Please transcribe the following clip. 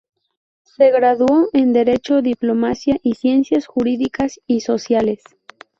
Se graduó en Derecho, Diplomacia y Ciencias Jurídicas y Sociales.